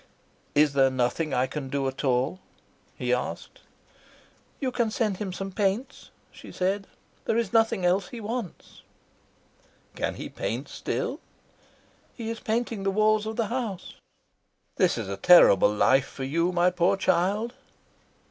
"Is there nothing I can do at all?" he asked. "You can send him some paints," she said. "There is nothing else he wants." "Can he paint still?" "He is painting the walls of the house." "This is a terrible life for you, my poor child."